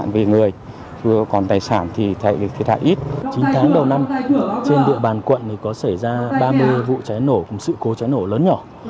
vụ cháy nổ cũng như sự cố cháy nổ lớn nhỏ